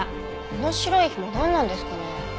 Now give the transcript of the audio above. この白いひもなんなんですかね？